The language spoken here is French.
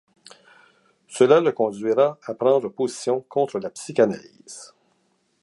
Cela le conduira à prendre position contre la psychanalyse.